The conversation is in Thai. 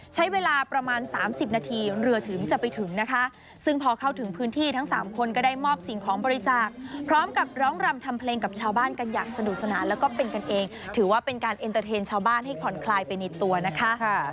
ใช้เวลาประมาณ๓๐นาทีเรือถึงจะไปถึงนะคะซึ่งพอเข้าถึงพื้นที่ทั้งสามคนก็ได้มอบสิ่งของบริจาคพร้อมกับร้องรำทำเพลงกับชาวบ้านกันอย่างสนุกสนานแล้วก็เป็นกันเองถือว่าเป็นการเอ็นเตอร์เทนชาวบ้านให้ผ่อนคลายไปในตัวนะคะ